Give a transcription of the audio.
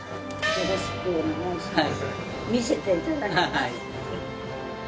よろしくお願いします